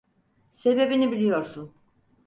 Sebebini biliyorsun.